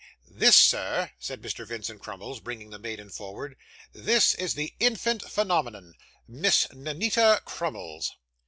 'This, sir,' said Mr. Vincent Crummles, bringing the maiden forward, 'this is the infant phenomenon Miss Ninetta Crummles.